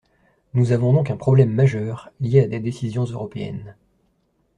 Nous avons donc un problème majeur, lié à des décisions européennes.